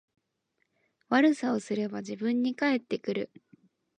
悪さをすれば自分に返ってくる